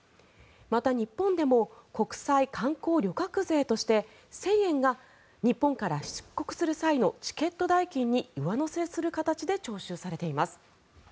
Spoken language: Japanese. また、日本でも国際観光旅客税として１０００円が日本から出国する際のチケット代金に上乗せする形で徴収されています。